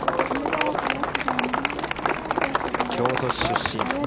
京都市出身。